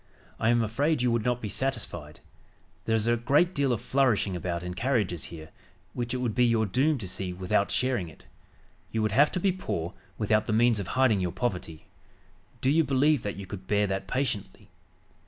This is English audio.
I am afraid you would not be satisfied. There is a great deal of flourishing about in carriages here, which it would be your doom to see without sharing it. You would have to be poor without the means of hiding your poverty. Do you believe that you could bear that patiently?